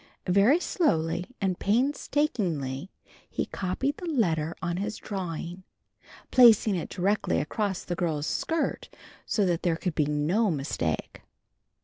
Very slowly and painstakingly he copied the letter on his drawing, placing it directly across the girl's skirt so that there could be no mistake.